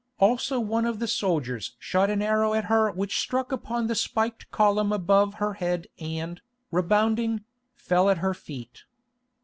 Also one of the soldiers shot an arrow at her which struck upon the spiked column above her head and, rebounding, fell at her feet.